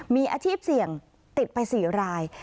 มีอาชีพเสี่ยงติดไป๔ราย